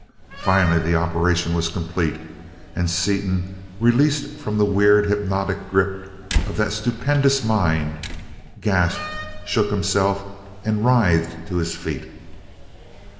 Finally the operation was complete and Seaton, released from the weird, hypnotic grip of that stupendous mind, gasped, shook himself, and writhed to his feet.